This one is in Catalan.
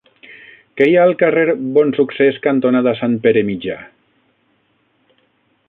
Què hi ha al carrer Bonsuccés cantonada Sant Pere Mitjà?